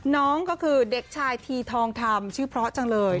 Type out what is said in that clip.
น้องก็คือเด็กชายทีทองคำชื่อเพราะจังเลย